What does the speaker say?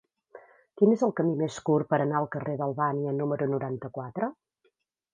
Quin és el camí més curt per anar al carrer d'Albània número noranta-quatre?